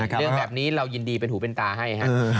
เรื่องแบบนี้เรายินดีเป็นหูเป็นตาให้ครับ